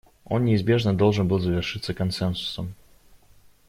Он неизбежно должен был завершиться консенсусом.